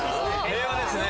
平和ですね。